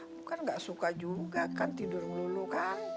bukan gak suka juga kan tidur dulu kan